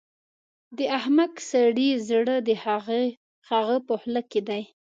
د احمق سړي زړه د هغه په خوله کې دی.